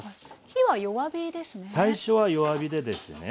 火は弱火ですね。